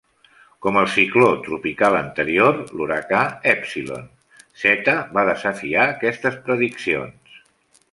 Com el cicló tropical anterior, l"huracà Epsilon, Zeta va desafiar aquestes prediccions.